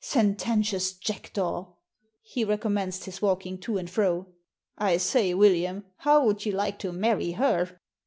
"Sententious jackdaw!" He recommenced his walking to and fro. " I say, William, how would you like to marry her?"